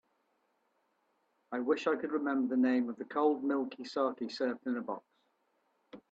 I wish I could remember the name of the cold milky saké served in a box.